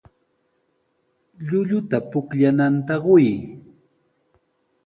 Llulluta pukllananta quy.